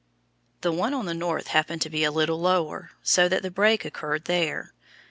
The one on the north happened to be a little lower, so that the break occurred there.